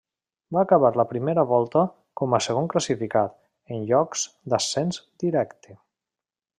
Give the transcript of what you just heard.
Va acabar la primera volta com a segon classificat, en llocs d'ascens directe.